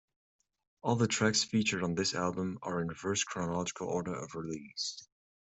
All the tracks featured on this album are in reverse chronological order of release.